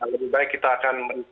kalau lebih baik kita akan menjawab